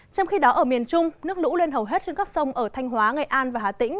trong khi đó ở miền trung nước lũ lên hầu hết trên các sông ở thanh hóa nghệ an và hà tĩnh